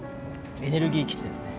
エネルギー基地ですね。